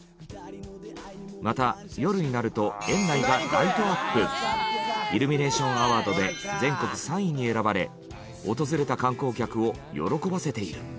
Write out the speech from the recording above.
また夜になると園内がイルミネーションアワードで全国３位に選ばれ訪れた観光客を喜ばせている。